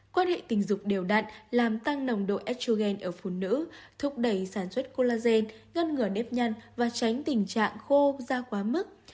quan hệ tình dục đều đặn làm tăng nồng độ edgeogen ở phụ nữ thúc đẩy sản xuất colagen ngăn ngừa nếp nhăn và tránh tình trạng khô ra quá mức